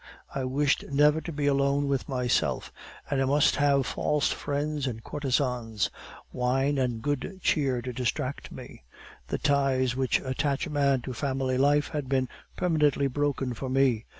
I wished never to be alone with myself, and I must have false friends and courtesans, wine and good cheer to distract me. The ties that attach a man to family life had been permanently broken for me.